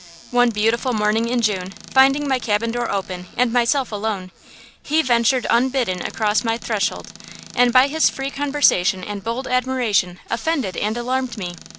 One beautiful morning in June, finding my cabin door open and myself alone, he ventured unbidden across my threshold, and by his free conversation and bold admiration offended and alarmed me.